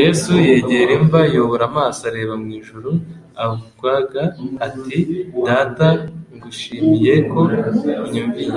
Yesu yegera imva. Yubura amaso areba mu ijuru aravwga ati: "Data ngushimiye ko unyumviye."